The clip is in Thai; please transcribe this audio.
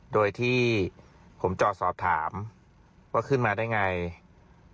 โดยที่ผมจอดสอบถามว่าขึ้นมาได้ไง